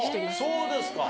そうですか。